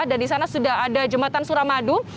dan di sana sudah ada jembatan suramadu